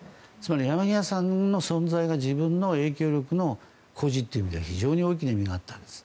山際さんの存在が自分の影響力の固辞という意味で非常に大きな意味があったんです。